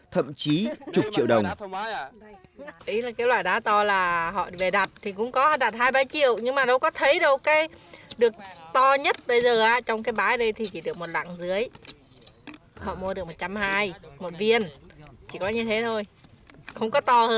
thậm chí chục triệu đồng